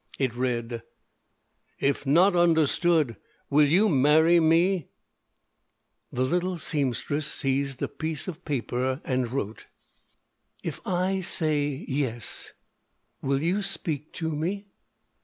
It read: If not understood will you mary me The little seamstress seized a piece of paper and wrote: _If I say Yes, will you speak to me?